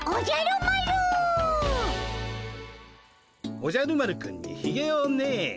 おじゃる丸くんにひげをね。